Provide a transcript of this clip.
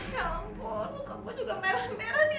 ya ampun kok gue juga merah merah nih